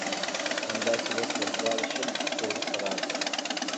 همداسې وشول دواړه شل دقیقې وروسته راغلل.